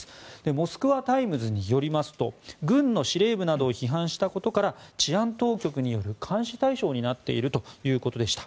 モスクワ・タイムズによりますと軍の司令部などを批判したことから治安当局による監視対象になっているということでした。